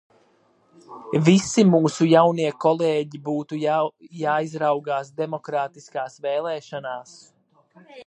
Visi mūsu jaunie kolēģi būtu jāizraugās demokrātiskās vēlēšanās.